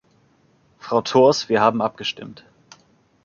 Frau Thors, wir haben abgestimmt.